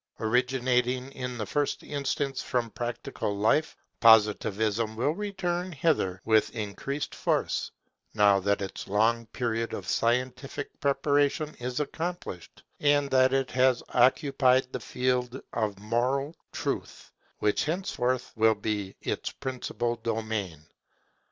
Originating in the first instance from practical life, Positivism will return thither with increased force, now that its long period of scientific preparation is accomplished, and that it has occupied the field of moral truth, which henceforth will be its principal domain.